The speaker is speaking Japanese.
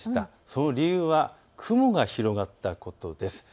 その理由は雲が広がったことです。